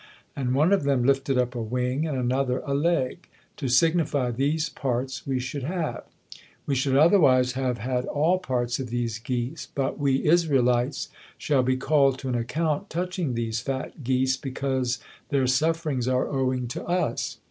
And one of them lifted up a wing, and another a leg, to signify these parts we should have. We should otherwise have had all parts of these geese; but we Israelites shall be called to an account touching these fat geese, because their sufferings are owing to us.